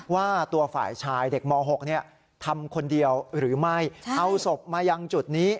ว่าตัวฝ่ายชายเด็กม๖ทำคนเดียวหรือไม่เอาศพมายังจุดนี้